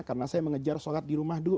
karena saya mengejar sholat di rumah dulu